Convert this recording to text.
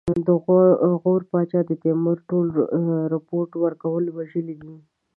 د غور پاچا د تیمور ټول رپوټ ورکوونکي وژلي دي.